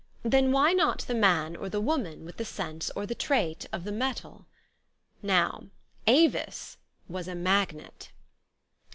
Then why not the man or the woman with the sense or the trait of the metal? Now, Avis was a magnet.